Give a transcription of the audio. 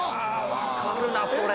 分かるなそれ。